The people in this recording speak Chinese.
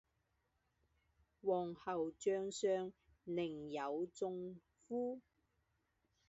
王侯将相，宁有种乎